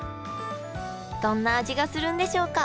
どんな味がするんでしょうか？